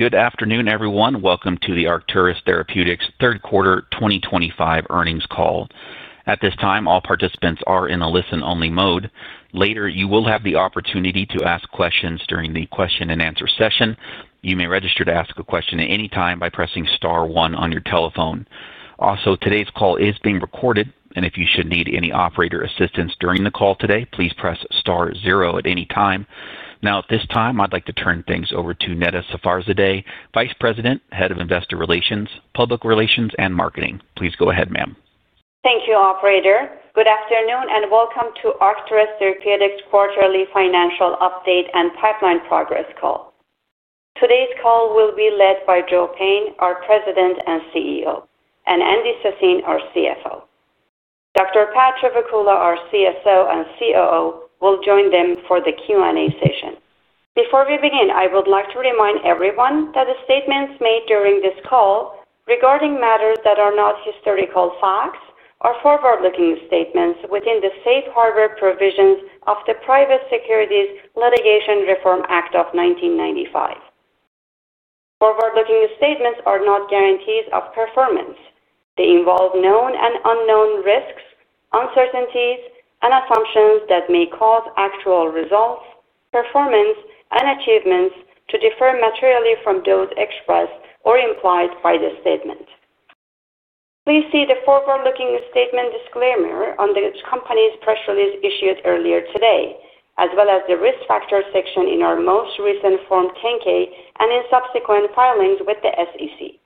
Good afternoon, everyone. Welcome to the Arcturus Therapeutics Third Quarter 2025 Earnings Call. At this time, all participants are in a listen-only mode. Later, you will have the opportunity to ask questions during the question-and-answer session. You may register to ask a question at any time by pressing star one on your telephone. Also, today's call is being recorded, and if you should need any operator assistance during the call today, please press star zero at any time. Now, at this time, I'd like to turn things over to Neda Safarzadeh, Vice President, Head of Investor Relations, Public Relations, and Marketing. Please go ahead, ma'am. Thank you, Operator. Good afternoon and welcome to Arcturus Therapeutics' quarterly financial update and pipeline progress call. Today's call will be led by Joe Payne, our President and CEO, and Andy Sassine, our CFO. Dr. Pad Chivukula, our CSO and COO, will join them for the Q and A session. Before we begin, I would like to remind everyone that the statements made during this call regarding matters that are not historical facts are forward-looking statements within the safe harbor provisions of the Private Securities Litigation Reform Act of 1995. Forward-looking statements are not guarantees of performance. They involve known and unknown risks, uncertainties, and assumptions that may cause actual results, performance, and achievements to differ materially from those expressed or implied by the statement. Please see the forward-looking statement disclaimer on the company's press release issued earlier today, as well as the risk factor section in our most recent Form 10-K and in subsequent filings with the SEC.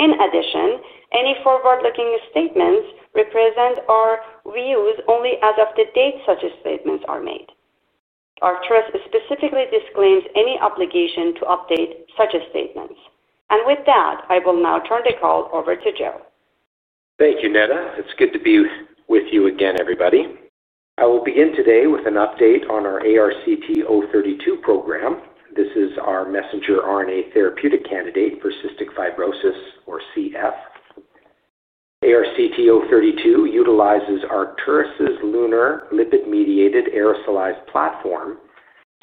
In addition, any forward-looking statements represent or reuse only as of the date such statements are made. Arcturus specifically disclaims any obligation to update such statements. And with that, I will now turn the call over to Joe. Thank you, Neda. It's good to be with you again, everybody. I will begin today with an update on our ARCT-032 program. This is our messenger RNA therapeutic candidate for cystic fibrosis, or CF. ARCT-032 utilizes Arcturus' LUNAR® lipid-mediated aerosolized platform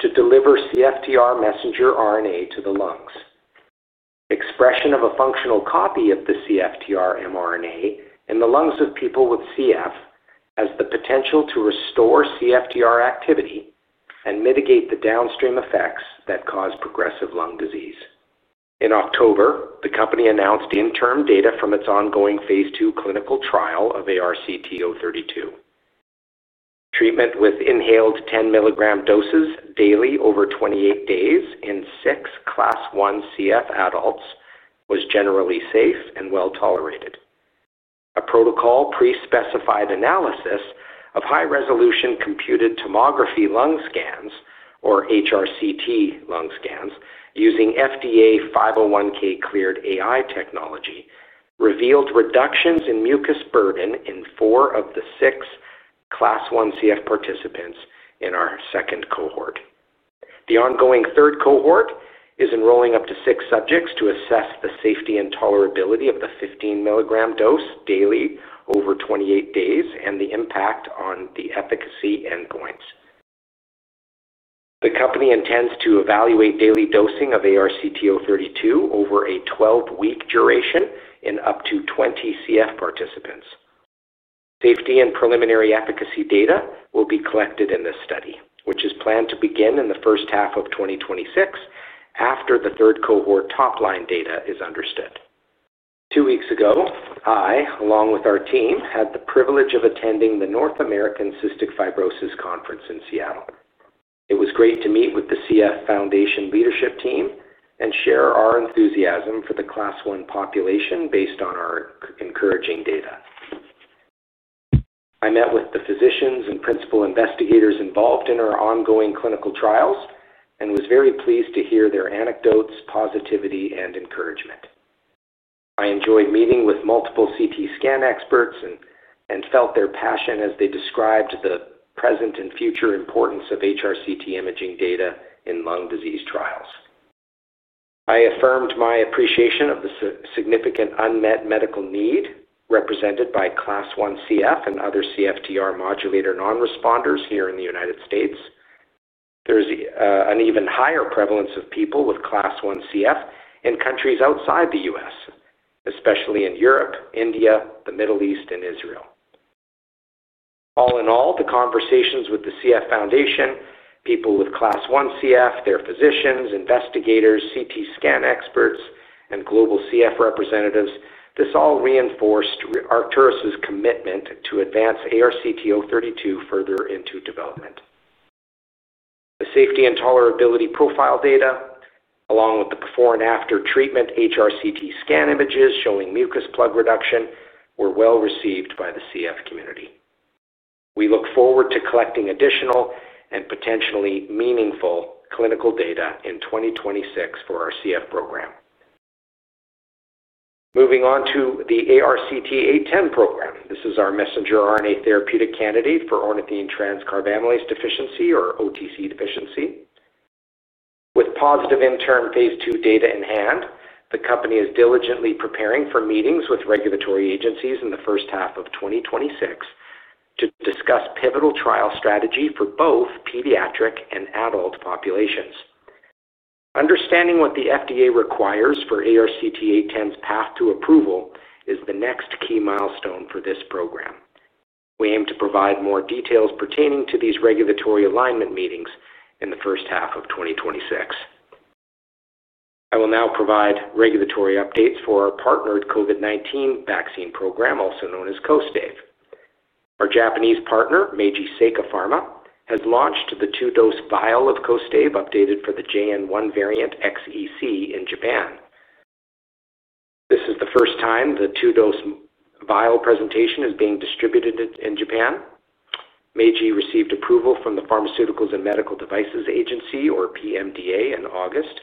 to deliver CFTR messenger RNA to the lungs. Expression of a functional copy of the CFTR mRNA in the lungs of people with CF has the potential to restore CFTR activity and mitigate the downstream effects that cause progressive lung disease. In October, the company announced interim data from its ongoing Phase 2 clinical trial of ARCT-032. Treatment with inhaled 10-milligram doses daily over 28 days in six class one CF adults was generally safe and well tolerated. A protocol pre-specified analysis of high-resolution computed tomography lung scans, or HRCT lung scans, using FDA 501(k) cleared AI technology revealed reductions in mucus burden in four of the six class one CF participants in our second cohort. The ongoing third cohort is enrolling up to six subjects to assess the safety and tolerability of the 15-milligram dose daily over 28 days and the impact on the efficacy endpoints. The company intends to evaluate daily dosing of ARCT-032 over a 12-week duration in up to 20 CF participants. Safety and preliminary efficacy data will be collected in this study, which is planned to begin in the first half of 2026 after the third cohort top-line data is understood. Two weeks ago, I, along with our team, had the privilege of attending the North American Cystic Fibrosis Conference in Seattle. It was great to meet with the CF Foundation leadership team and share our enthusiasm for the class one population based on our encouraging data. I met with the physicians and principal investigators involved in our ongoing clinical trials and was very pleased to hear their anecdotes, positivity, and encouragement. I enjoyed meeting with multiple CT scan experts and felt their passion as they described the present and future importance of HRCT imaging data in lung disease trials. I affirmed my appreciation of the significant unmet medical need represented by class one CF and other CFTR modulator non-responders here in the United States. There is an even higher prevalence of people with class one CF in countries outside the US, especially in Europe, India, the Middle East, and Israel. All in all, the conversations with the CF Foundation, people with class one CF, their physicians, investigators, CT scan experts, and global CF representatives, this all reinforced Arcturus' commitment to advance ARCT-032 further into development. The safety and tolerability profile data, along with the before and after treatment HRCT scan images showing mucus plug reduction, were well received by the CF community. We look forward to collecting additional and potentially meaningful clinical data in 2026 for our CF program. Moving on to the ARCT-810 program. This is our messenger RNA therapeutic candidate for ornithine transcarbamylase deficiency, or OTC deficiency. With positive interim phase two data in hand, the company is diligently preparing for meetings with regulatory agencies in the first half of 2026 to discuss pivotal trial strategy for both pediatric and adult populations. Understanding what the FDA requires for ARCT-810's path to approval is the next key milestone for this program. We aim to provide more details pertaining to these regulatory alignment meetings in the first half of 2026. I will now provide regulatory updates for our partnered COVID-19 vaccine program, also known as Kostaive. Our Japanese partner, Meiji Seika Pharma, has launched the two-dose vial of Kostaive updated for the JN.1 variant XEC in Japan. This is the first time the two-dose vial presentation is being distributed in Japan. Meiji received approval from the Pharmaceuticals and Medical Devices Agency, or PMDA, in August.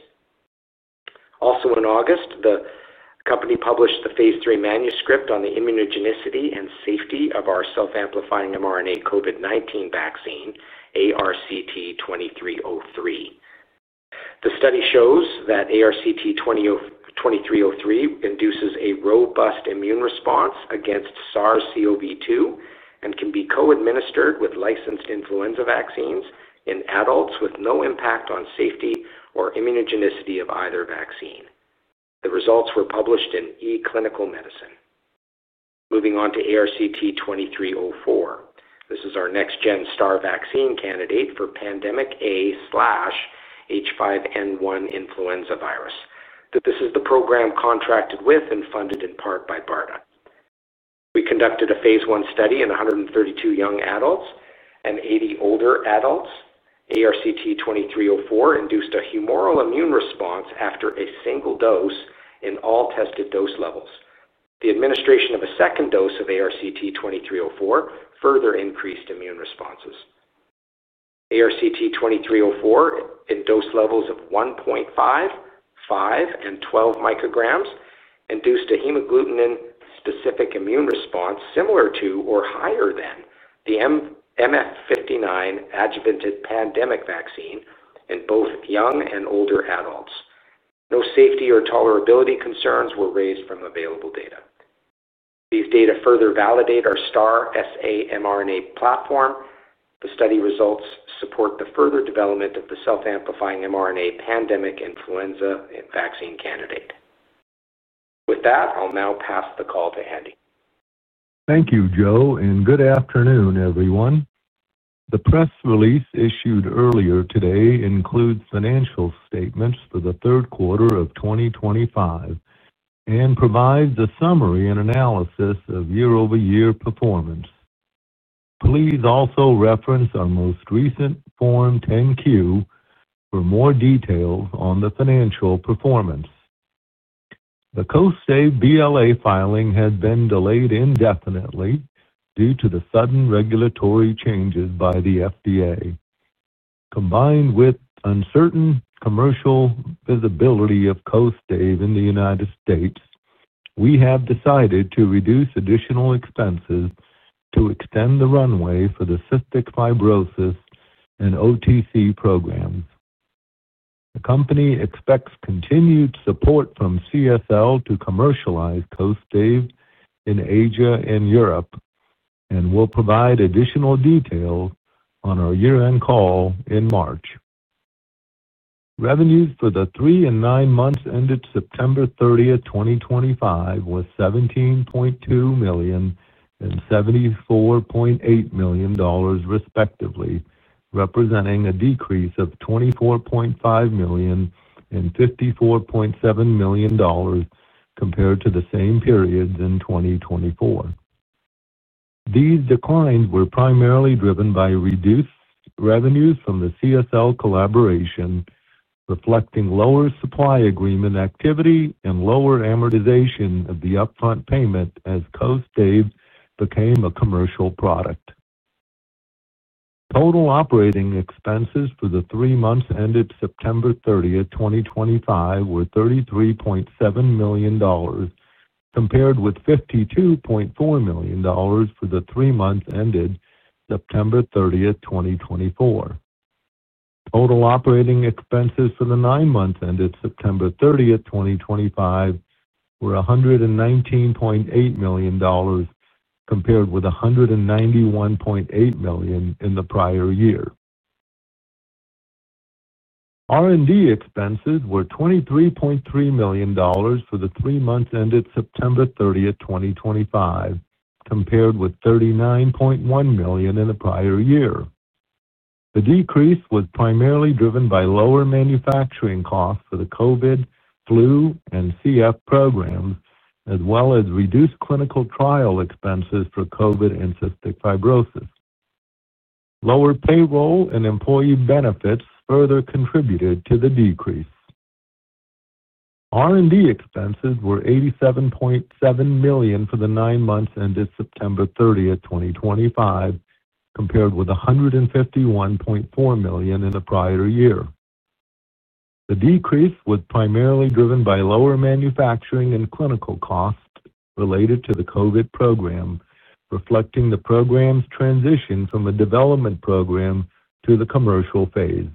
Also, in August, the company published the phase three manuscript on the immunogenicity and safety of our self-amplifying mRNA COVID-19 vaccine, ARCT-2303. The study shows that ARCT-2303 induces a robust immune response against SARS-CoV-2 and can be co-administered with licensed influenza vaccines in adults with no impact on safety or immunogenicity of either vaccine. The results were published in eClinical Medicine. Moving on to ARCT-2304. This is our next-gen star vaccine candidate for pandemic A/H5N1 influenza virus. This is the program contracted with and funded in part by BARDA. We conducted a Phase 1 study in 132 young adults and 80 older adults. ARCT-2304 induced a humoral immune response after a single dose in all tested dose levels. The administration of a second dose of ARCT-2304 further increased immune responses. ARCT-2304 in dose levels of 1.5, 5, and 12 micrograms induced a hemagglutinin-specific immune response similar to or higher than the MF59 adjuvanted pandemic vaccine in both young and older adults. No safety or tolerability concerns were raised from available data. These data further validate our star SA mRNA platform. The study results support the further development of the self-amplifying mRNA pandemic influenza vaccine candidate. With that, I'll now pass the call to Andy. Thank you, Joe, and good afternoon, everyone. The press release issued earlier today includes financial statements for the third quarter of 2025 and provides a summary and analysis of year-over-year performance. Please also reference our most recent Form 10-Q for more details on the financial performance. The Kostaive BLA filing has been delayed indefinitely due to the sudden regulatory changes by the FDA. Combined with uncertain commercial visibility of Kostaive in the United States, we have decided to reduce additional expenses to extend the runway for the cystic fibrosis and OTC programs. The company expects continued support from CSL to commercialize Kostaive in Asia and Europe and will provide additional details on our year-end call in March. Revenues for the three and nine months ended September 30, 2025, were $17.2 million and $74.8 million, respectively, representing a decrease of $24.5 million and $54.7 million compared to the same periods in 2024. These declines were primarily driven by reduced revenues from the CSL collaboration, reflecting lower supply agreement activity and lower amortization of the upfront payment as Kostaive became a commercial product. Total operating expenses for the three months ended September 30, 2025, were $33.7 million compared with $52.4 million for the three months ended September 30, 2024. Total operating expenses for the nine months ended September 30, 2025, were $119.8 million compared with $191.8 million in the prior year. R&D expenses were $23.3 million for the three months ended September 30, 2025, compared with $39.1 million in the prior year. The decrease was primarily driven by lower manufacturing costs for the COVID, flu, and CF programs, as well as reduced clinical trial expenses for COVID and cystic fibrosis. Lower payroll and employee benefits further contributed to the decrease. R&D expenses were $87.7 million for the nine months ended September 30, 2025, compared with $151.4 million in the prior year. The decrease was primarily driven by lower manufacturing and clinical costs related to the COVID program, reflecting the program's transition from a development program to the commercial phase.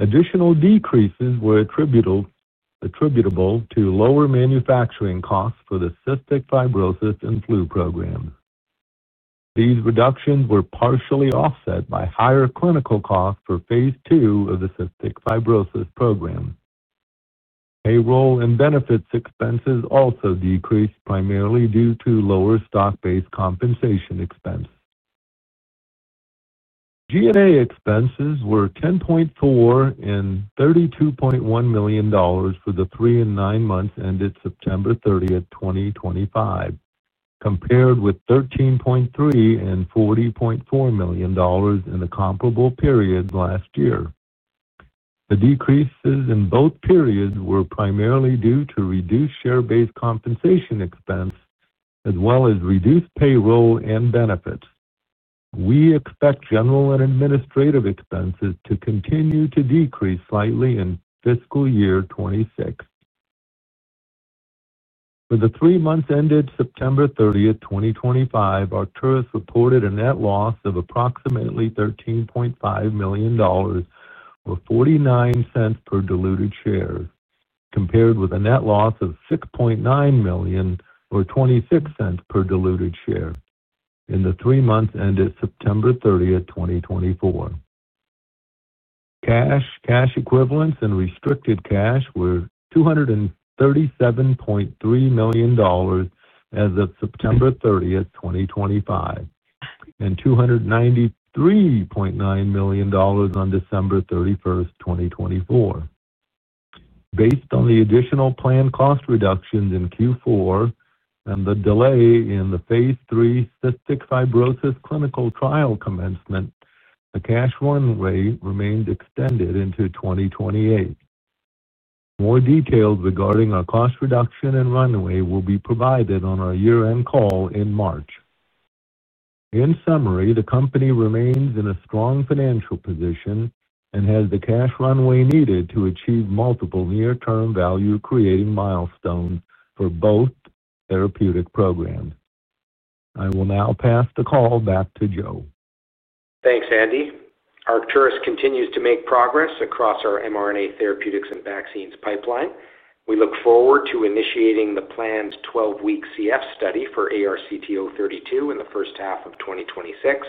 Additional decreases were attributable to lower manufacturing costs for the cystic fibrosis and flu programs. These reductions were partially offset by higher clinical costs for phase two of the cystic fibrosis program. Payroll and benefits expenses also decreased primarily due to lower stock-based compensation expense. GMA expenses were $10.4 in $32.1 million for the three and nine months ended September 30, 2025, compared with $13.3 in $40.4 million in the comparable periods last year. The decreases in both periods were primarily due to reduced share-based compensation expense, as well as reduced payroll and benefits. We expect general and administrative expenses to continue to decrease slightly in fiscal year 26. For the three months ended September 30, 2025, Arcturus reported a net loss of approximately $13.5 million or $0.49 per diluted share, compared with a net loss of $6.9 million or $0.26 per diluted share in the three months ended September 30, 2024. Cash, cash equivalents, and restricted cash were $237.3 million as of September 30, 2025, and $293.9 million on December 31, 2024. Based on the additional planned cost reductions in Q4 and the delay in the Phase 3 cystic fibrosis clinical trial commencement, the cash runway remained extended into 2028. More details regarding our cost reduction and runway will be provided on our year-end call in March. In summary, the company remains in a strong financial position and has the cash runway needed to achieve multiple near-term value-creating milestones for both therapeutic programs. I will now pass the call back to Joe. Thanks, Andy. Arcturus continues to make progress across our mRNA therapeutics and vaccines pipeline. We look forward to initiating the planned 12-week CF study for ARCT-032 in the first half of 2026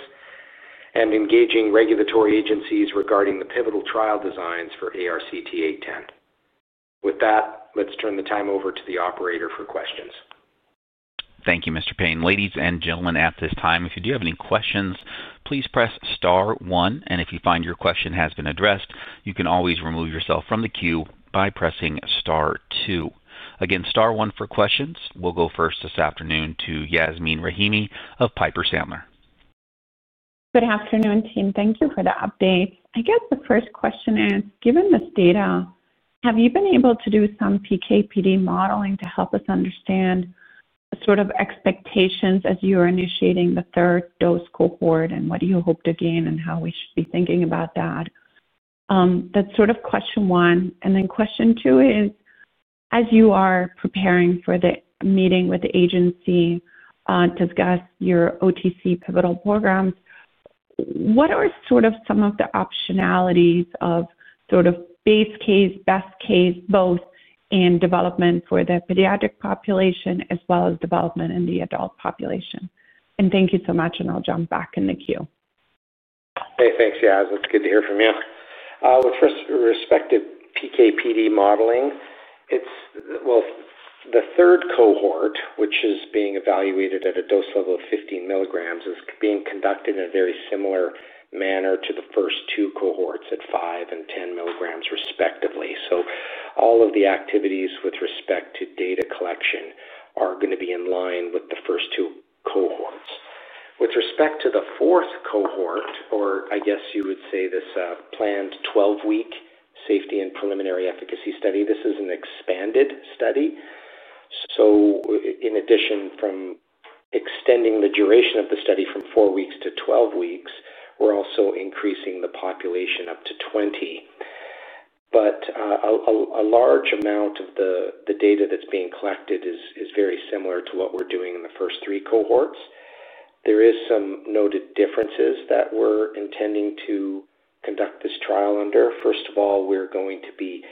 and engaging regulatory agencies regarding the pivotal trial designs for ARCT-810. With that, let's turn the time over to the operator for questions. Thank you, Mr. Payne. Ladies and gentlemen, at this time, if you do have any questions, please press star one. And if you find your question has been addressed, you can always remove yourself from the queue by pressing star two. Again, star one for questions. We'll go first this afternoon to Yasmeen Rahimi of Piper Sandler. Good afternoon, team. Thank you for the update. I guess the first question is, given this data, have you been able to do some PKPD modeling to help us understand sort of expectations as you are initiating the third-dose cohort, and what do you hope to gain, and how we should be thinking about that? That's sort of question one. And then question two is, as you are preparing for the meeting with the agency to discuss your OTC pivotal programs, what are sort of some of the optionalities of sort of base case, best case, both in development for the pediatric population as well as development in the adult population? And thank you so much, and I'll jump back in the queue. Hey, thanks, Yas. It's good to hear from you. With respect to PKPD modeling, it's, well, the third cohort, which is being evaluated at a dose level of 15 milligrams, is being conducted in a very similar manner to the first two cohorts at 5 and 10 milligrams, respectively. So all of the activities with respect to data collection are going to be in line with the first two cohorts. With respect to the fourth cohort, or I guess you would say this planned 12-week safety and preliminary efficacy study, this is an expanded study. So in addition, from extending the duration of the study from four weeks to 12 weeks, we're also increasing the population up to 20. But a large amount of the data that's being collected is very similar to what we're doing in the first three cohorts. There are some noted differences that we're intending to conduct this trial under. First of all, we're going to be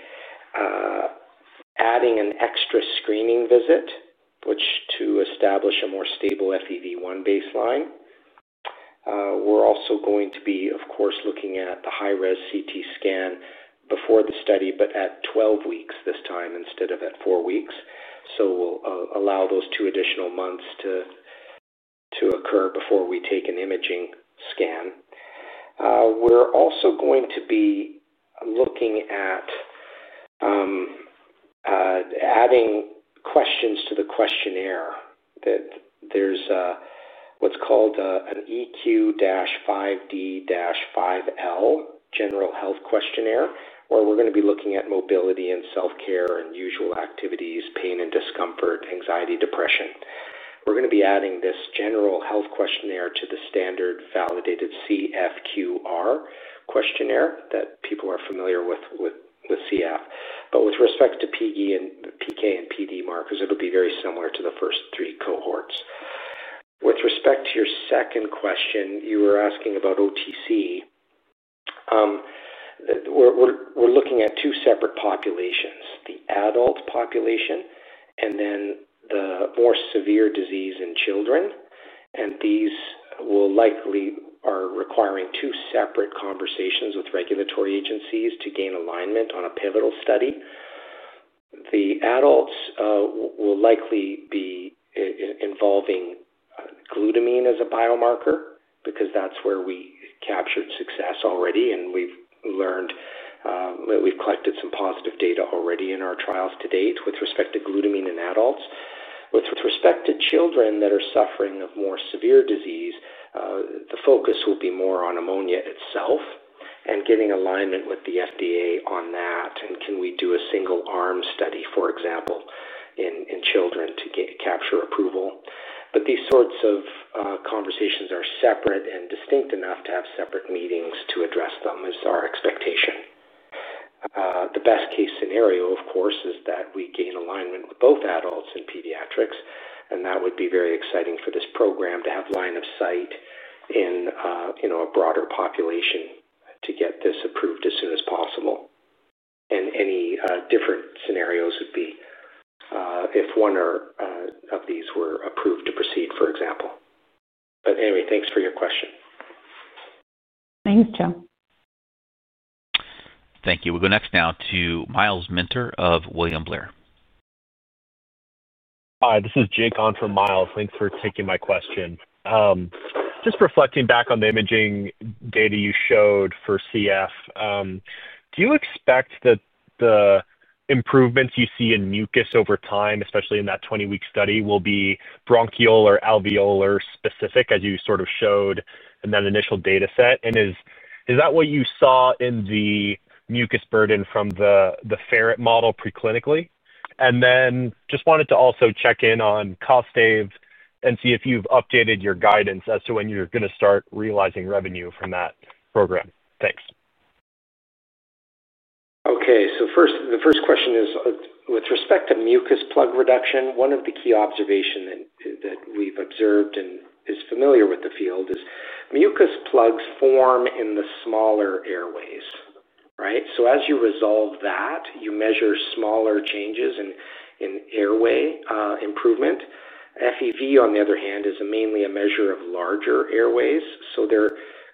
adding an extra screening visit, which is to establish a more stable FEV1 baseline. We're also going to be, of course, looking at the high-res CT scan before the study, but at 12 weeks this time instead of at four weeks. So we'll allow those two additional months to occur before we take an imaging scan. We're also going to be looking at adding questions to the questionnaire. There's what's called an EQ-5D-5L general health questionnaire, where we're going to be looking at mobility and self-care and usual activities, pain and discomfort, anxiety, depression. We're going to be adding this general health questionnaire to the standard validated CF/QR questionnaire that people are familiar with CF. But with respect to PK and PD markers, it'll be very similar to the first three cohorts. With respect to your second question, you were asking about OTC. We're looking at two separate populations: the adult population and then the more severe disease in children. And these will likely be requiring two separate conversations with regulatory agencies to gain alignment on a pivotal study. The adults will likely be involving glutamine as a biomarker because that's where we captured success already, and we've collected some positive data already in our trials to date with respect to glutamine in adults. With respect to children that are suffering of more severe disease, the focus will be more on ammonia itself and getting alignment with the FDA on that. And can we do a single-arm study, for example, in children to capture approval? But these sorts of conversations are separate and distinct enough to have separate meetings to address them, is our expectation. The best-case scenario, of course, is that we gain alignment with both adults and pediatrics. And that would be very exciting for this program to have line of sight in a broader population to get this approved as soon as possible. And any different scenarios would be if one of these were approved to proceed, for example. But anyway, thanks for your question. Thanks, Joe. Thank you. We'll go next now to Myles Minter of William Blair. Hi, this is Jay Khan from Myles. Thanks for taking my question. Just reflecting back on the imaging data you showed for CF, do you expect that the improvements you see in mucus over time, especially in that 20-week study, will be bronchial or alveolar specific, as you sort of showed in that initial dataset? And is that what you saw in the mucus burden from the Ferret model preclinically? And then just wanted to also check in on CostAVE and see if you've updated your guidance as to when you're going to start realizing revenue from that program. Thanks. Okay. So the first question is, with respect to mucus plug reduction, one of the key observations that we've observed and is familiar with the field is mucus plugs form in the smaller airways, right? So as you resolve that, you measure smaller changes in airway improvement. FEV, on the other hand, is mainly a measure of larger airways. So they're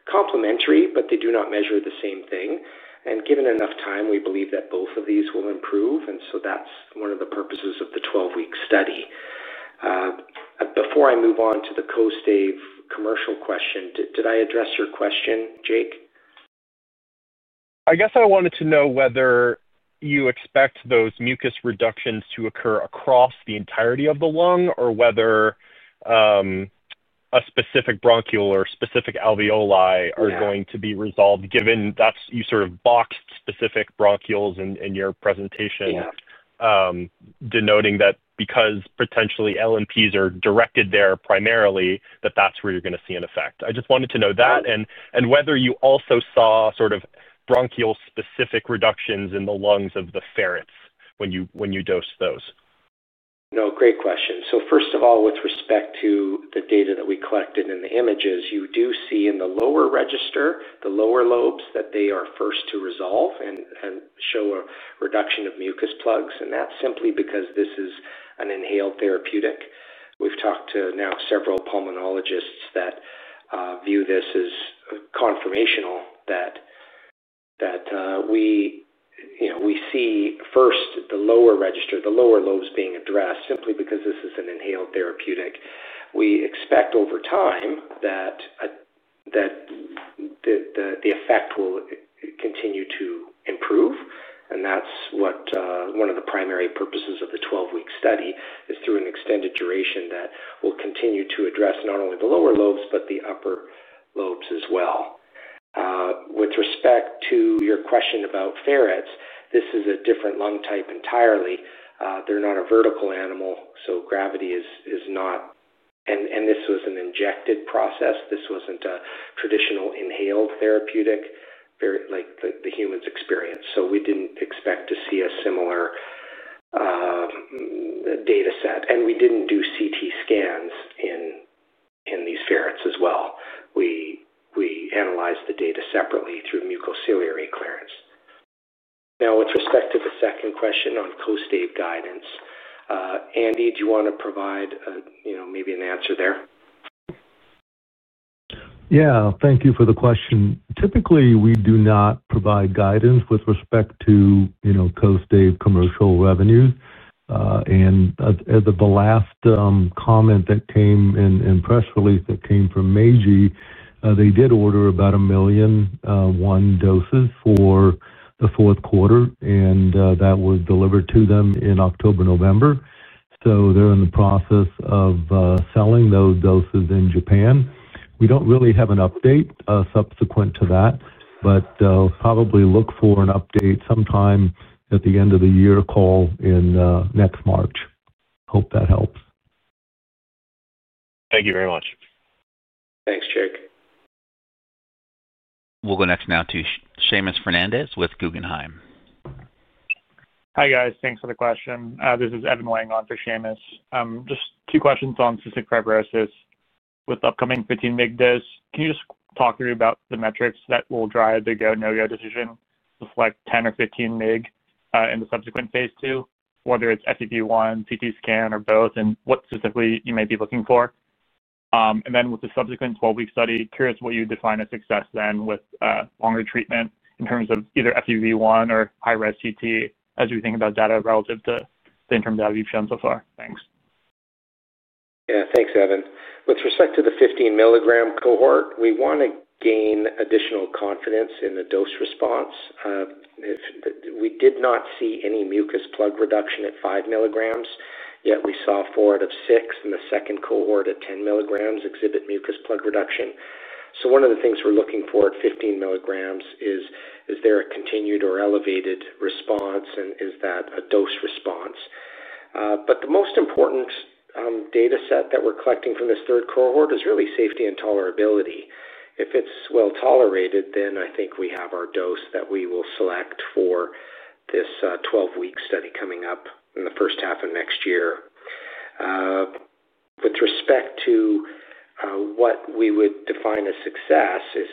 complementary, but they do not measure the same thing. And given enough time, we believe that both of these will improve. And so that's one of the purposes of the 12-week study. Before I move on to the Kostaive commercial question, did I address your question, Jake? I guess I wanted to know whether you expect those mucus reductions to occur across the entirety of the lung or whether a specific bronchial or specific alveoli are going to be resolved, given that you sort of boxed specific bronchials in your presentation, denoting that because potentially LNPs are directed there primarily, that that's where you're going to see an effect. I just wanted to know that. And whether you also saw sort of bronchial-specific reductions in the lungs of the ferrets when you dosed those. No, great question. So first of all, with respect to the data that we collected in the images, you do see in the lower register, the lower lobes, that they are first to resolve and show a reduction of mucus plugs. And that's simply because this is an inhaled therapeutic. We've talked to now several pulmonologists that view this as confirmational, that we see first the lower register, the lower lobes being addressed, simply because this is an inhaled therapeutic. We expect over time that the effect will continue to improve. And that's what one of the primary purposes of the 12-week study is, through an extended duration, that we'll continue to address not only the lower lobes, but the upper lobes as well. With respect to your question about ferrets, this is a different lung type entirely. They're not a vertical animal, so gravity is not, and this was an injected process. This wasn't a traditional inhaled therapeutic like the humans experience. So we didn't expect to see a similar dataset. And we didn't do CT scans in these ferrets as well. We analyzed the data separately through mucociliary clearance. Now, with respect to the second question on Kostaive guidance, Andy, do you want to provide maybe an answer there? Yeah. Thank you for the question. Typically, we do not provide guidance with respect to Kostaive commercial revenues. And the last comment that came in press release that came from Meiji, they did order about a million one doses for the fourth quarter. And that was delivered to them in October, November. So they're in the process of selling those doses in Japan. We don't really have an update subsequent to that, but probably look for an update sometime at the end of the year call in next March. Hope that helps. Thank you very much. Thanks, Jake. We'll go next now to Seamus Fernandez with Guggenheim. Hi, guys. Thanks for the question. This is Evan Wang on for Seamus. Just two questions on cystic fibrosis with upcoming 15-mig dose. Can you just talk through about the metrics that will drive the go/no-go decision to select 10 or 15-mig in the subsequent Phase 2, whether it's FEV1, CT scan, or both, and what specifically you may be looking for? And then with the subsequent 12-week study, curious what you define as success then with longer treatment in terms of either FEV1 or high-res CT as you think about data relative to the interim data you've shown so far. Thanks. Yeah. Thanks, Evan. With respect to the 15-milligram cohort, we want to gain additional confidence in the dose response. We did not see any mucus plug reduction at 5 milligrams, yet we saw four out of six in the second cohort at 10 milligrams exhibit mucus plug reduction. So one of the things we're looking for at 15 milligrams is, is there a continued or elevated response, and is that a dose response? But the most important dataset that we're collecting from this third cohort is really safety and tolerability. If it's well tolerated, then I think we have our dose that we will select for this 12-week study coming up in the first half of next year. With respect to what we would define as success is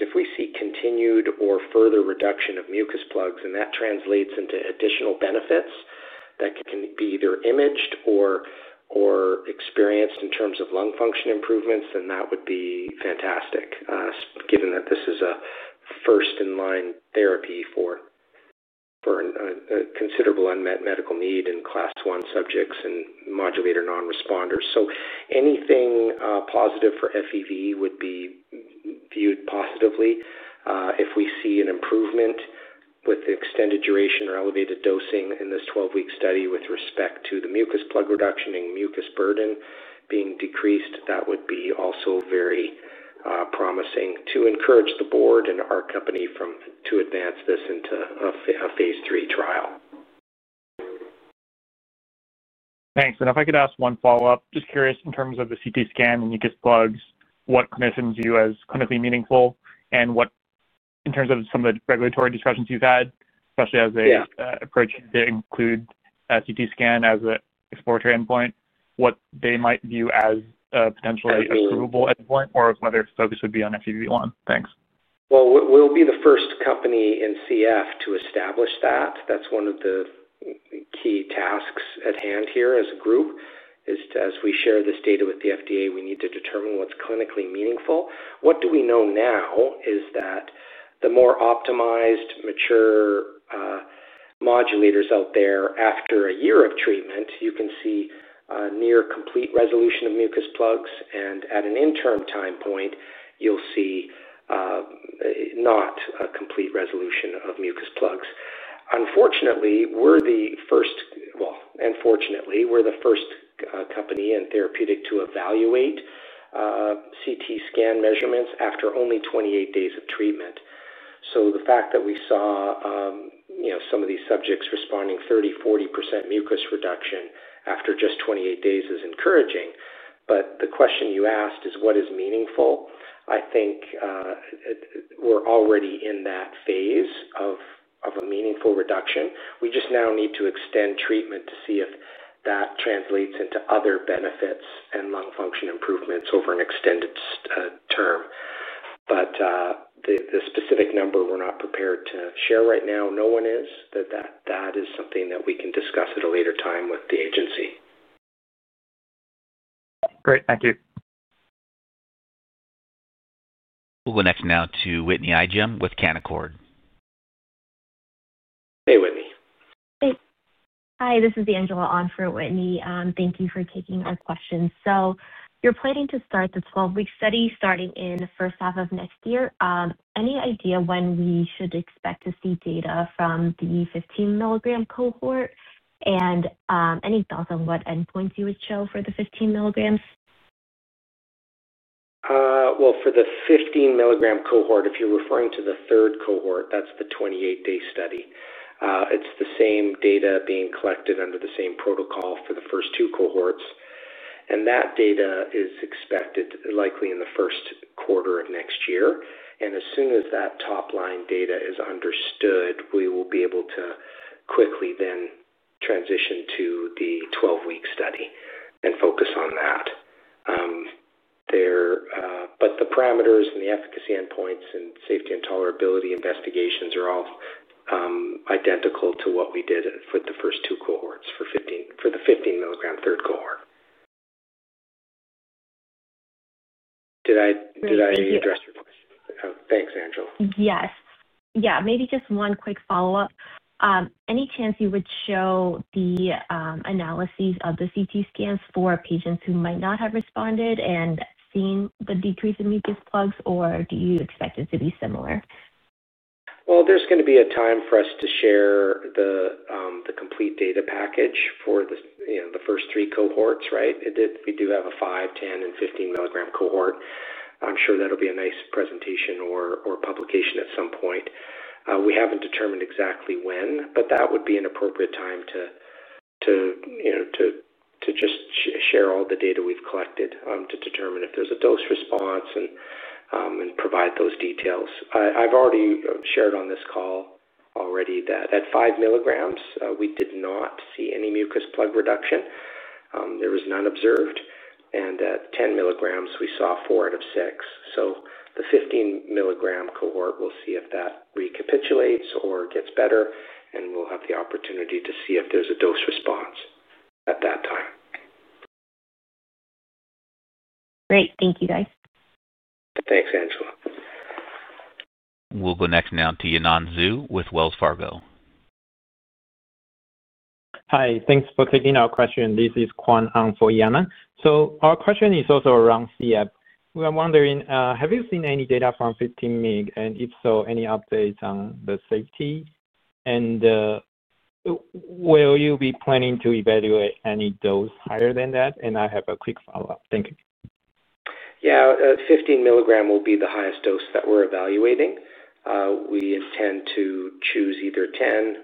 if we see continued or further reduction of mucus plugs, and that translates into additional benefits that can be either imaged or experienced in terms of lung function improvements, then that would be fantastic, given that this is a first-in-line therapy for a considerable unmet medical need in class one subjects and modulator non-responders. So anything positive for FEV would be viewed positively. If we see an improvement with extended duration or elevated dosing in this 12-week study with respect to the mucus plug reduction and mucus burden being decreased, that would be also very promising to encourage the board and our company to advance this into a phase three trial. Thanks. And if I could ask one follow-up, just curious in terms of the CT scan and mucus plugs, what conditions you as clinically meaningful and what in terms of some of the regulatory discussions you've had, especially as they approach to include CT scan as an exploratory endpoint, what they might view as a potentially approvable endpoint or whether focus would be on FEV1. Thanks. Well, we'll be the first company in CF to establish that. That's one of the key tasks at hand here as a group, is as we share this data with the FDA, we need to determine what's clinically meaningful. What do we know now is that the more optimized, mature modulators out there, after a year of treatment, you can see near complete resolution of mucus plugs. And at an interim time point, you'll see not a complete resolution of mucus plugs. Unfortunately, we're the first, well, unfortunately, we're the first company and therapeutic to evaluate CT scan measurements after only 28 days of treatment. So the fact that we saw some of these subjects responding 30, 40 percent mucus reduction after just 28 days is encouraging. But the question you asked is, what is meaningful? I think we're already in that phase of a meaningful reduction. We just now need to extend treatment to see if that translates into other benefits and lung function improvements over an extended term. But the specific number, we're not prepared to share right now. No one is. That is something that we can discuss at a later time with the agency. Great. Thank you. We'll go next now to Whitney Ijem with Canaccord. Hey, Whitney. Hi. This is Angela on for Whitney. Thank you for taking our questions. So you're planning to start the 12-week study starting in the first half of next year. Any idea when we should expect to see data from the 15-milligram cohort? And any thoughts on what endpoints you would show for the 15 milligrams? Well, for the 15-milligram cohort, if you're referring to the third cohort, that's the 28-day study. It's the same data being collected under the same protocol for the first two cohorts. And that data is expected likely in the first quarter of next year. And as soon as that top-line data is understood, we will be able to quickly then transition to the 12-week study and focus on that. But the parameters and the efficacy endpoints and safety and tolerability investigations are all identical to what we did for the first two cohorts for the 15-milligram third cohort. Did I address your question? Yes. Thanks, Angela. Yes. Yeah. Maybe just one quick follow-up. Any chance you would show the analyses of the CT scans for patients who might not have responded and seen the decrease in mucus plugs, or do you expect it to be similar? Well, there's going to be a time for us to share the complete data package for the first three cohorts, right? We do have a 5, 10, and 15-milligram cohort. I'm sure that'll be a nice presentation or publication at some point. We haven't determined exactly when, but that would be an appropriate time to just share all the data we've collected to determine if there's a dose response and provide those details. I've already shared on this call already that at 5 milligrams, we did not see any mucus plug reduction. There was none observed. And at 10 milligrams, we saw 4 out of 6. So the 15-milligram cohort, we'll see if that recapitulates or gets better, and we'll have the opportunity to see if there's a dose response at that time. Great. Thank you, guys. Thanks, Angela. We'll go next now to Yanan Zhu with Wells Fargo. Hi. Thanks for taking our question. This is TianQi Hang for Yanan. So our question is also around CF. We are wondering, have you seen any data from 15-mig? And if so, any updates on the safety? And will you be planning to evaluate any dose higher than that? And I have a quick follow-up. Thank you. Yeah. 15-milligram will be the highest dose that we're evaluating. We intend to choose either 10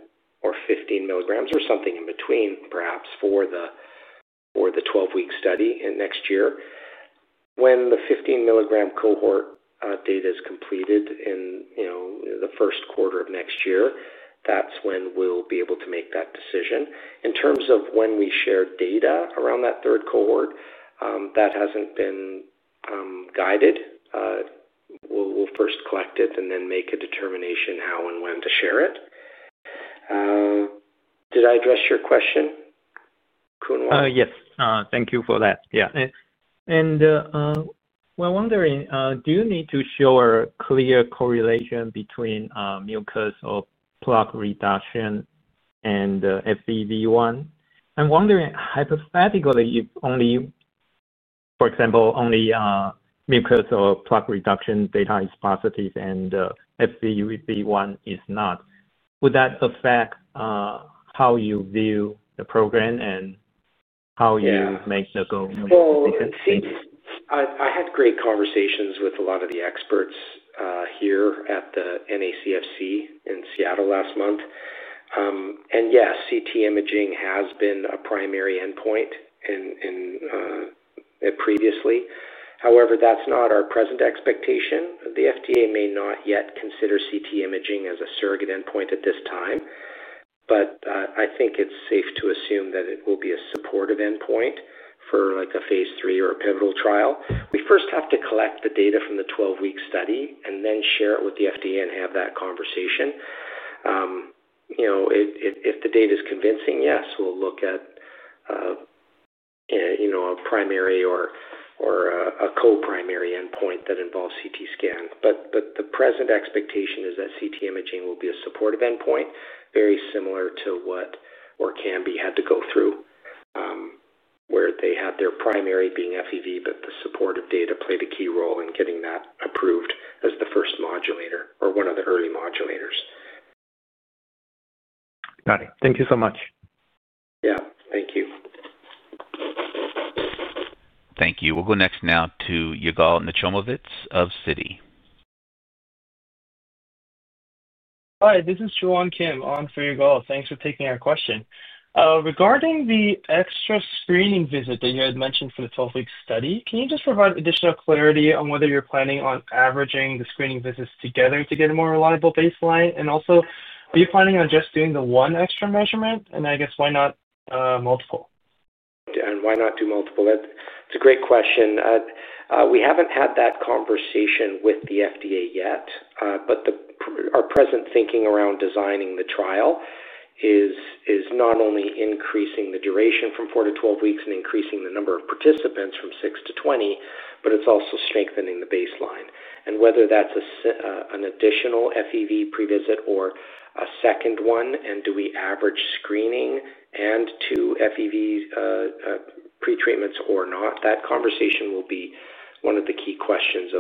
or 15 milligrams or something in between, perhaps, for the 12-week study next year. When the 15-milligram cohort data is completed in the first quarter of next year, that's when we'll be able to make that decision. In terms of when we share data around that third cohort, that hasn't been guided. We'll first collect it and then make a determination how and when to share it. Did I address your question, TianQi? Yes. Thank you for that. Yeah. And we're wondering, do you need to show a clear correlation between mucus or plug reduction and FEV1? I'm wondering, hypothetically, if, for example, only mucus or plug reduction data is positive and FEV1 is not, would that affect how you view the program and how you make the goal? I had great conversations with a lot of the experts here at the NACFC in Seattle last month. And yes, CT imaging has been a primary endpoint previously. However, that's not our present expectation. The FDA may not yet consider CT imaging as a surrogate endpoint at this time, but I think it's safe to assume that it will be a supportive endpoint for a Phase 3 or a pivotal trial. We first have to collect the data from the 12-week study and then share it with the FDA and have that conversation. If the data is convincing, yes, we'll look at a primary or a co-primary endpoint that involves CT scan. But the present expectation is that CT imaging will be a supportive endpoint, very similar to what Orkambi had to go through, where they had their primary being FEV, but the supportive data played a key role in getting that approved as the first modulator or one of the early modulators. Got it. Thank you so much. Yeah. Thank you. Thank you. We'll go next now to Yigal Nochomovitz of CITI. Hi. This is Joohwan Kim Ong for Yigal. Thanks for taking our question. Regarding the extra screening visit that you had mentioned for the 12-week study, can you just provide additional clarity on whether you're planning on averaging the screening visits together to get a more reliable baseline? And also, are you planning on just doing the one extra measurement? And I guess, why not multiple? Yeah. And why not do multiple? It's a great question. We haven't had that conversation with the FDA yet, but our present thinking around designing the trial is not only increasing the duration from 4 to 12 weeks and increasing the number of participants from 6 to 20, but it's also strengthening the baseline. And whether that's an additional FEV pre-visit or a second one, and do we average screening and to FEV pretreatments or not, that conversation will be one of the key questions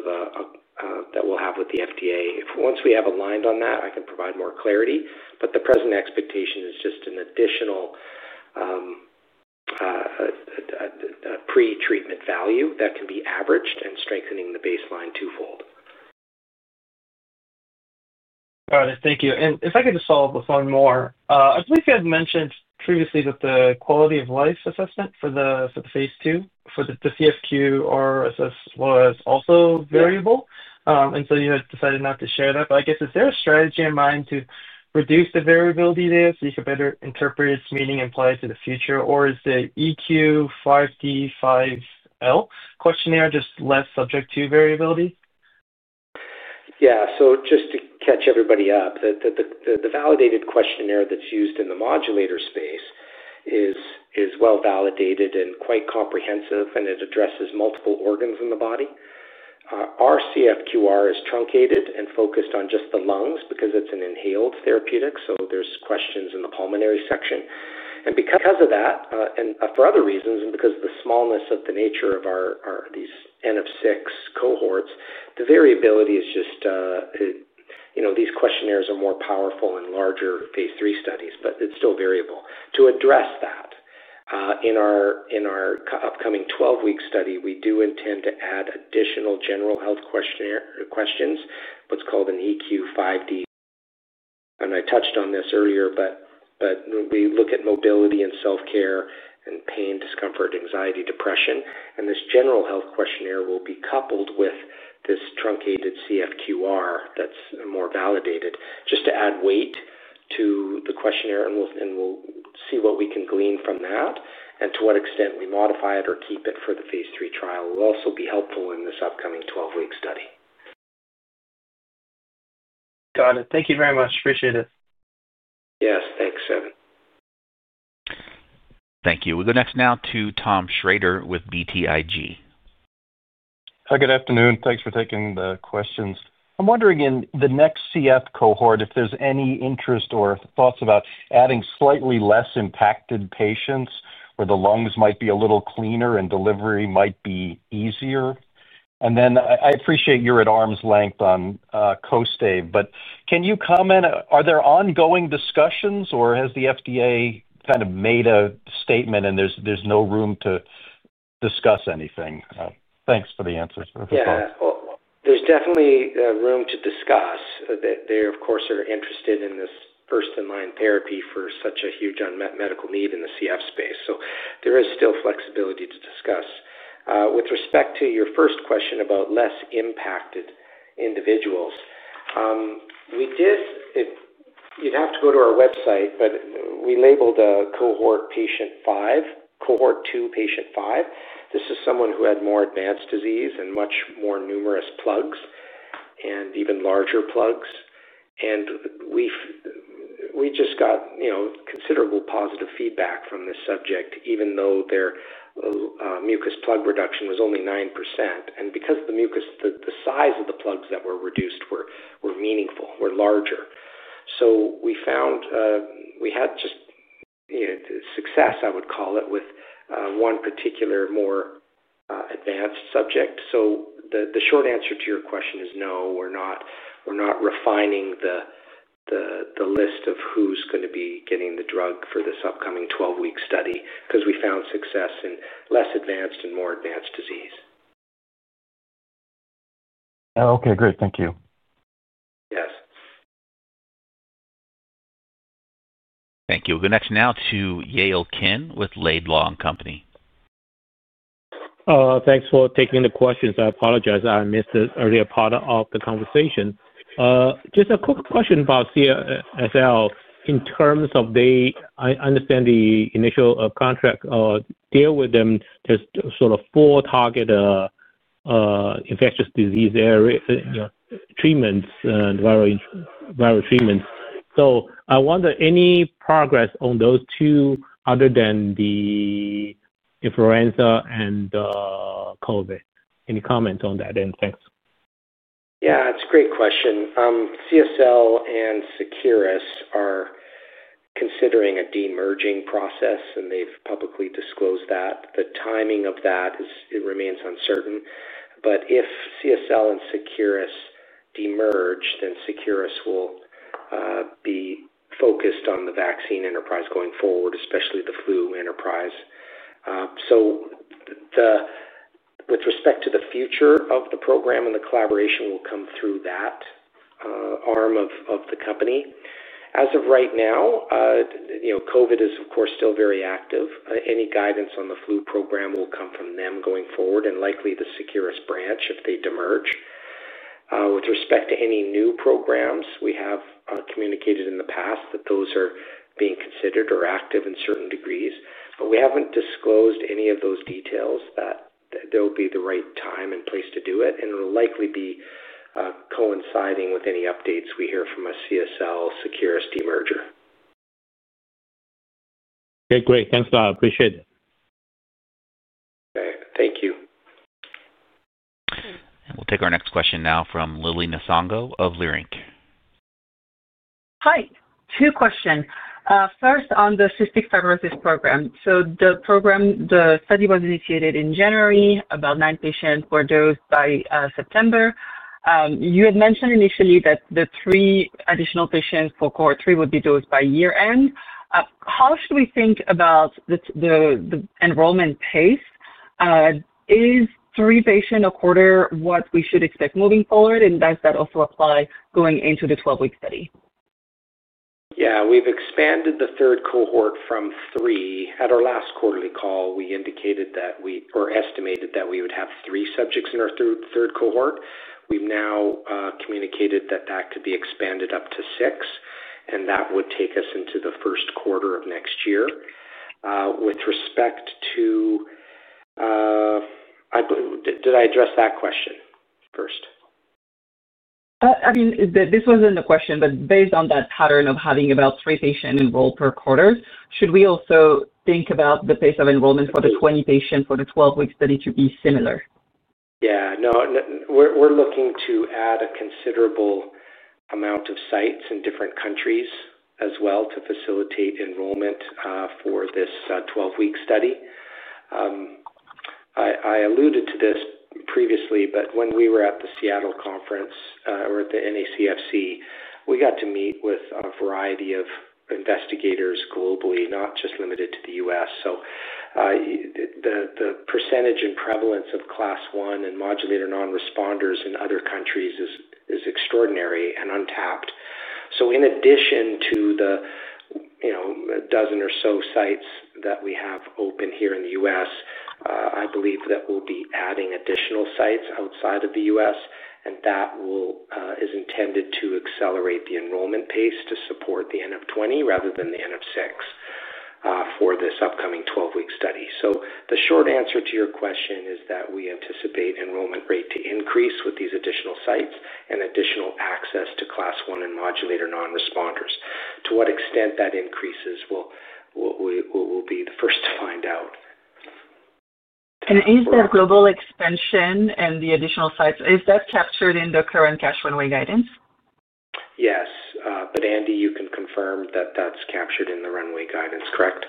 that we'll have with the FDA. Once we have aligned on that, I can provide more clarity. But the present expectation is just an additional pretreatment value that can be averaged and strengthening the baseline twofold. Got it. Thank you. And if I could just follow up with one more. I believe you had mentioned previously that the quality of life assessment for the phase two, for the CFQ, was also variable. And so you had decided not to share that. But I guess, is there a strategy in mind to reduce the variability there so you could better interpret its meaning and apply it to the future? Or is the EQ5D5L questionnaire just less subject to variability? Yeah. So just to catch everybody up, the validated questionnaire that's used in the modulator space is well validated and quite comprehensive, and it addresses multiple organs in the body. Our CFQR is truncated and focused on just the lungs because it's an inhaled therapeutic. So there's questions in the pulmonary section. And because of that, and for other reasons, and because of the smallness of the nature of these NF6 cohorts, the variability is just these questionnaires are more powerful in larger phase three studies, but it's still variable. To address that, in our upcoming 12-week study, we do intend to add additional general health questions, what's called an EQ5D. And I touched on this earlier, but we look at mobility and self-care and pain, discomfort, anxiety, depression. And this general health questionnaire will be coupled with this truncated CFQR that's more validated just to add weight to the questionnaire, and we'll see what we can glean from that and to what extent we modify it or keep it for the phase three trial. Will also be helpful in this upcoming 12-week study. Got it. Thank you very much. Appreciate it. Yes. Thanks, Evan. Thank you. We'll go next now to Tom Schroeder with BTIG. Hi. Good afternoon. Thanks for taking the questions. I'm wondering, in the next CF cohort, if there's any interest or thoughts about adding slightly less impacted patients where the lungs might be a little cleaner and delivery might be easier. And then I appreciate you're at arm's length on Kostaive, but can you comment? Are there ongoing discussions, or has the FDA kind of made a statement and there's no room to discuss anything? Thanks for the answers. Yeah. There's definitely room to discuss that they, of course, are interested in this first-in-line therapy for such a huge unmet medical need in the CF space. So there is still flexibility to discuss. With respect to your first question about less impacted individuals, you'd have to go to our website, but we labeled a cohort patient five, cohort two patient five. This is someone who had more advanced disease and much more numerous plugs and even larger plugs. And we just got considerable positive feedback from this subject, even though their mucus plug reduction was only 9%. And because the size of the plugs that were reduced were meaningful, were larger. So we found we had just success, I would call it, with one particular more advanced subject. So the short answer to your question is no. We're not refining the list of who's going to be getting the drug for this upcoming 12-week study because we found success in less advanced and more advanced disease. Okay. Great. Thank you. Yes. Thank you. We'll go next now to Yale Jen with Laidlaw & Company. Thanks for taking the questions. I apologize. I missed the earlier part of the conversation. Just a quick question about CFL in terms of the I understand the initial contract deal with them just sort of four target infectious disease treatments and viral treatments. So I wonder any progress on those two other than the influenza and COVID? Any comments on that? And thanks. Yeah. It's a great question. CSL and Securus are considering a demerging process, and they've publicly disclosed that. The timing of that remains uncertain. But if CSL and Securus demerge, then Securus will be focused on the vaccine enterprise going forward, especially the flu enterprise. So with respect to the future of the program and the collaboration, we'll come through that arm of the company. As of right now, COVID is, of course, still very active. Any guidance on the flu program will come from them going forward and likely the Securus branch if they demerge. With respect to any new programs, we have communicated in the past that those are being considered or active in certain degrees, but we haven't disclosed any of those details, that there will be the right time and place to do it, and it'll likely be coinciding with any updates we hear from a CSL/Securus demerger. Okay. Great. Thanks a lot. Appreciate it. Okay. Thank you. And we'll take our next question now from Lili Nsongo of Leerink. Hi. Two questions. First, on the cystic fibrosis program. So the study was initiated in January, about 9 patients were dosed by September. You had mentioned initially that the three additional patients for cohort three would be dosed by year-end. How should we think about the enrollment pace? Is three patients a quarter what we should expect moving forward? And does that also apply going into the 12-week study? Yeah. We've expanded the third cohort from three. At our last quarterly call, we indicated that we or estimated that we would have three subjects in our third cohort. We've now communicated that that could be expanded up to six, and that would take us into the first quarter of next year. With respect to did I address that question first? I mean, this wasn't a question, but based on that pattern of having about three patients enrolled per quarter, should we also think about the pace of enrollment for the 20 patients for the 12-week study to be similar? Yeah. No. We're looking to add a considerable amount of sites in different countries as well to facilitate enrollment for this 12-week study. I alluded to this previously, but when we were at the Seattle conference or at the NACFC, we got to meet with a variety of investigators globally, not just limited to the US. So the percentage and prevalence of class one and modulator non-responders in other countries is extraordinary and untapped. So in addition to the dozen or so sites that we have open here in the US, I believe that we'll be adding additional sites outside of the US, and that is intended to accelerate the enrollment pace to support the NF20 rather than the NF6 for this upcoming 12-week study. So the short answer to your question is that we anticipate enrollment rate to increase with these additional sites and additional access to class one and modulator non-responders. To what extent that increases will be the first to find out. And is that global expansion and the additional sites, is that captured in the current cash runway guidance? Yes. But Andy, you can confirm that that's captured in the runway guidance, correct?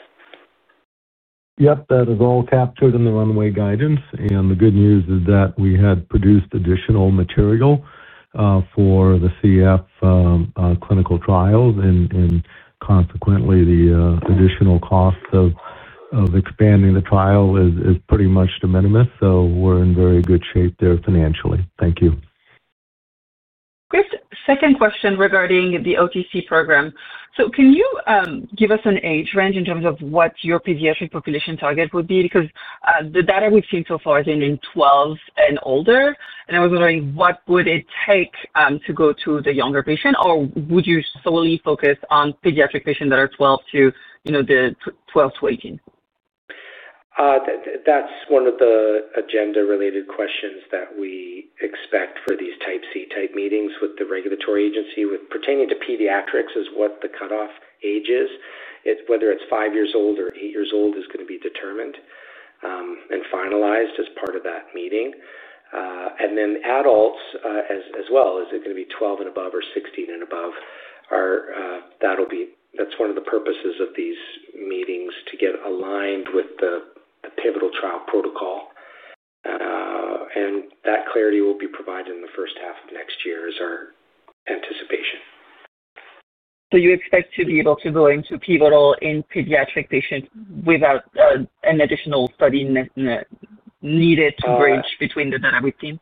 Yep. That is all captured in the runway guidance. And the good news is that we had produced additional material for the CF clinical trials, and consequently, the additional cost of expanding the trial is pretty much de minimis. So we're in very good shape there financially. Thank you. Great. Second question regarding the OTC program. So can you give us an age range in terms of what your pediatric population target would be? Because the data we've seen so far has been in 12 and older. And I was wondering what would it take to go to the younger patient, or would you solely focus on pediatric patients that are 12 to 18? That's one of the agenda-related questions that we expect for these type C type meetings with the regulatory agency. Pertaining to pediatrics is what the cutoff age is. Whether it's five years old or eight years old is going to be determined and finalized as part of that meeting. And then adults as well. Is it going to be 12 and above or 16 and above? That's one of the purposes of these meetings to get aligned with the pivotal trial protocol. And that clarity will be provided in the first half of next year is our anticipation. So you expect to be able to go into pivotal in pediatric patients without an additional study needed to bridge between the data we've seen?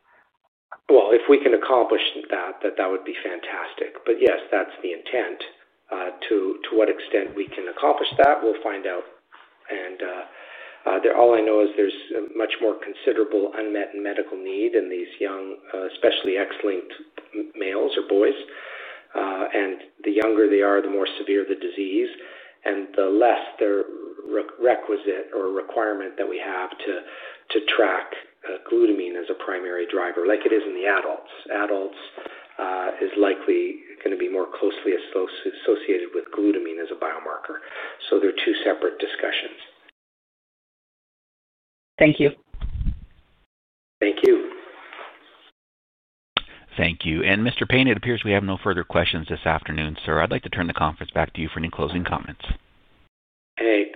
Well, if we can accomplish that, that would be fantastic. But yes, that's the intent. To what extent we can accomplish that, we'll find out. And all I know is there's much more considerable unmet medical need in these young, especially X-linked males or boys. And the younger they are, the more severe the disease, and the less the requisite or requirement that we have to track glutamine as a primary driver, like it is in the adults. Adults is likely going to be more closely associated with glutamine as a biomarker. So they're two separate discussions. Thank you. Thank you. Thank you. And Mr. Payne, it appears we have no further questions this afternoon, sir. I'd like to turn the conference back to you for any closing comments. Hey.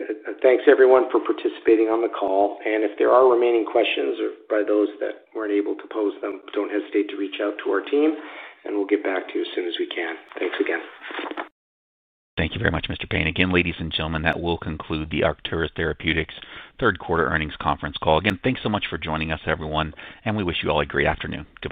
Thanks, everyone, for participating on the call. And if there are remaining questions or by those that weren't able to pose them, don't hesitate to reach out to our team, and we'll get back to you as soon as we can. Thanks again. Thank you very much, Mr. Payne. Again, ladies and gentlemen, that will conclude the Arcturus Therapeutics third quarter earnings conference call. Again, thanks so much for joining us, everyone, and we wish you all a great afternoon. Goodbye.